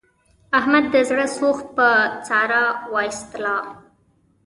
احمد د زړه سوخت په ساره و ایستلا.